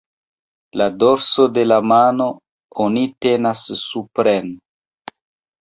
La dorso de la mano oni tenas supren.